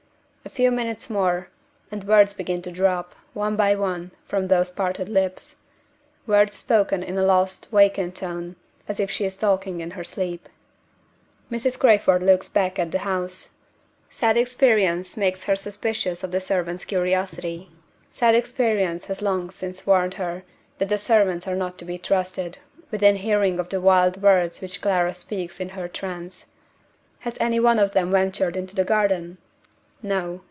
A few minutes more, and words begin to drop, one by one, from those parted lips words spoken in a lost, vacant tone, as if she is talking in her sleep. Mrs. Crayford looks back at the house. Sad experience makes her suspicious of the servants' curiosity. Sad experience has long since warned her that the servants are not to be trusted within hearing of the wild words which Clara speaks in the trance. Has any one of them ventured into the garden? No.